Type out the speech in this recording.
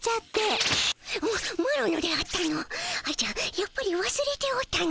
やっぱりわすれておったの。